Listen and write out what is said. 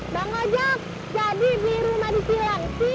bang kojek jadi beli rumah di cilangsi